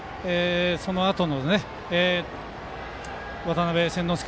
そのあとの渡邉千之亮